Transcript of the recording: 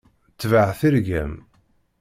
Tbeɛ tirga-m.